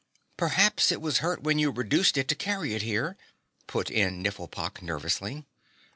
"Perhaps it was hurt when you reduced it to carry it here," put in Nifflepok nervously.